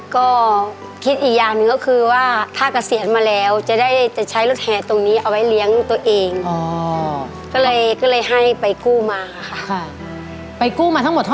ก็คิดอีกอย่างหนึ่งก็คือว่าถ้ากระเสียนมาแล้วจะได้ใช้รถแห่ตรงนี้เอาไว้เลี้ยงตัวเอง